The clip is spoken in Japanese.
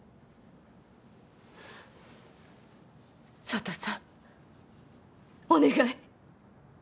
佐都さんお願い。